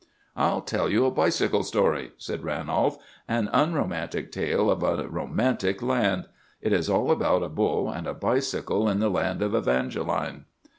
"I'll tell you a bicycle story," said Ranolf; "an unromantic tale of a romantic land. It is all about a bull and a bicycle in the land of Evangeline."